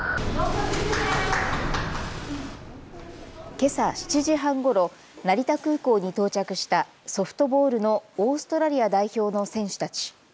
けさ７時半ごろ、成田空港に到着したソフトボールのオーストラリア代表の選手たち。